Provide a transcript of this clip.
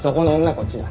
こっちだ。